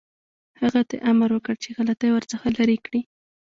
هغه ته یې امر وکړ چې غلطۍ ورڅخه لرې کړي.